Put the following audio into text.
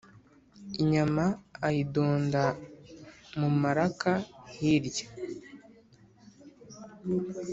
Inyama ayidonda mu maraka hirya,